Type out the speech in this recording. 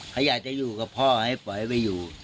เขาอยากจะอยู่กับพ่อให้ปล่อยไปอยู่